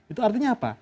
itu artinya apa